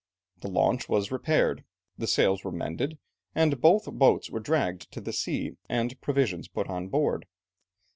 The launch was repaired, the sails were mended, and both boats were dragged to the sea, and provisions put on board.